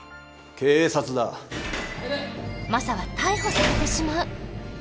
マサは逮捕されてしまう！？